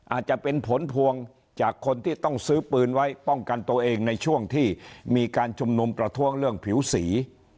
อาจจะเป็นผลพวงจากคนที่ต้องซื้อปืนไว้ป้องกันตัวเองในช่วงที่มีการชุมนุมประท้วงเรื่องผิวสี